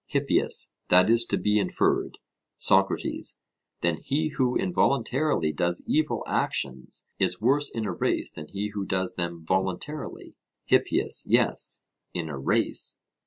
HIPPIAS: That is to be inferred. SOCRATES: Then he who involuntarily does evil actions, is worse in a race than he who does them voluntarily? HIPPIAS: Yes, in a race.